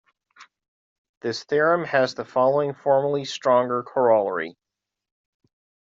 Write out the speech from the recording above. This theorem has the following formally stronger corollary.